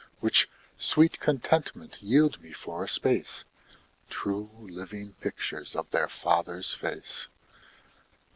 Which sweet contentment yield me for a space, True living pictures of their father's face.